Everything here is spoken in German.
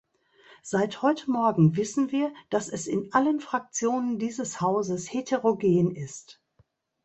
Seit heute Morgen wissen wir, dass es in allen Fraktionen dieses Hauses heterogen ist.